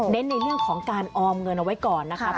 ในเรื่องของการออมเงินเอาไว้ก่อนนะครับ